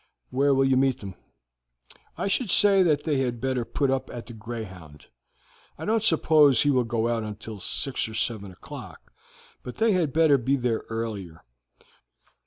Where will you meet them?" "I should say that they had better put up at the Greyhound. I don't suppose he will go out until six or seven o'clock, but they had better be there earlier.